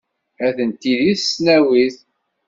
Atenti deg tesnawit.